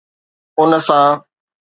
ان سان